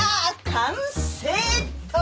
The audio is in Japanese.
完成っと。